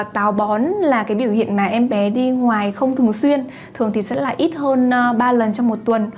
táo bón là biểu hiện em bé đi ngoài không thường xuyên thường sẽ là ít hơn ba lần trong một tuần